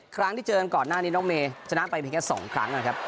ครั้งที่เจอกันก่อนหน้านี้น้องเมย์ชนะไปเพียงแค่๒ครั้งนะครับ